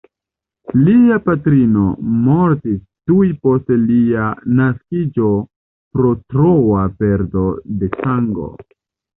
Lia patrino mortis tuj post lia naskiĝo pro troa perdo de sango.